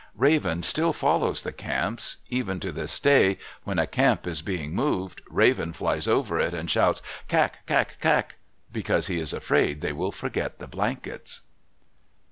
Raven still follows the camps. Even to this day when a camp is being moved, Raven flies over it and shouts, "Kak, kak, kak!" because he is afraid they will forget the blankets.